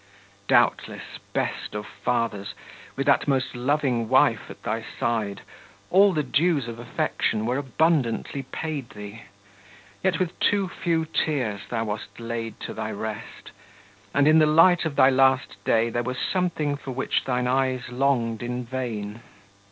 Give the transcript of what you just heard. Doubtless, best of fathers, with that most loving wife at thy side, all the dues of affection were abundantly paid thee, yet with too few tears thou wast laid to thy rest, and in the light of thy last day there was something for which thine eyes longed in vain.